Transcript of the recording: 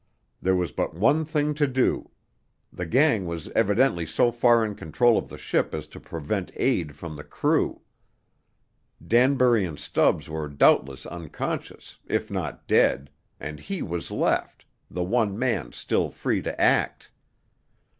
There was but one thing to do; the gang was evidently so far in control of the ship as to prevent aid from the crew; Danbury and Stubbs were doubtless unconscious, if not dead, and he was left, the one man still free to act.